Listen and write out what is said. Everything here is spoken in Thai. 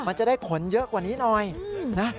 มันจะได้ผลเยอะกว่านี้หน่อยนะ